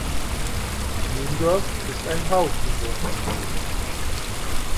Nindorf ist ein Haufendorf.